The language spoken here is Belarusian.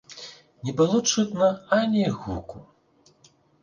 Не было чутно ані гуку.